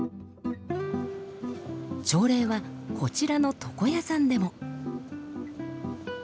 朝礼はこちらの床屋さんでも。